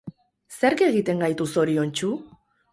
Zerk egiten gaitu zoriontsu?